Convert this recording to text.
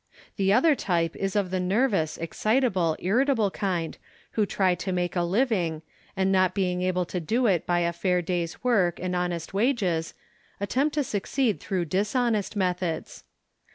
The other type is of the nervous, ex citable, irritable kind who try to make a living, and not being able to do it by a fair day's work and honest wages, attempt to succeed through dishonest methods.